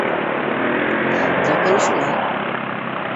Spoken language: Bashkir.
Законы шулай.